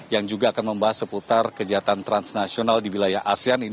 yang juga akan membahas seputar kegiatan transnasional di wilayah asean ini